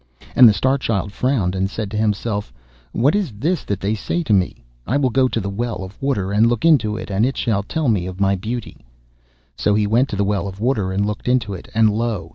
And the Star Child frowned and said to himself, 'What is this that they say to me? I will go to the well of water and look into it, and it shall tell me of my beauty.' So he went to the well of water and looked into it, and lo!